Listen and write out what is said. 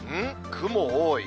雲多い。